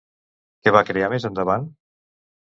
Què va crear més endavant?